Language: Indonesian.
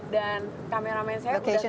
dan kameramen saya udah ke indonesia